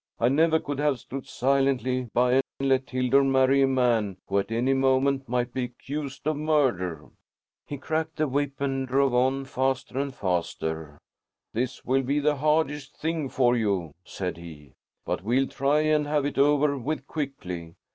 I never could have stood silently by and let Hildur marry a man who at any moment might be accused of murder." He cracked the whip and drove on, faster and faster. "This will be the hardest thing for you," said he, "but we'll try and have it over with quickly.